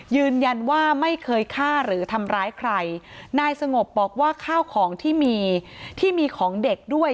ยืนยันว่าไม่เคยฆ่าหรือทำร้ายใครนายสงบบอกว่าข้าวของที่มีที่มีของเด็กด้วย